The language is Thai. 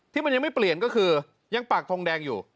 ที่มันยังไม่เปลี่ยนก็คือยังปากทงแดงอยู่